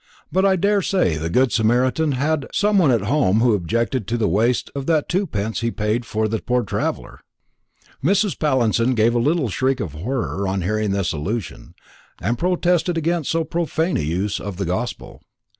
But I daresay the good Samaritan had some one at home who objected to the waste of that twopence he paid for the poor traveller." Mrs. Pallinson gave a little shriek of horror on hearing this allusion, and protested against so profane a use of the gospel.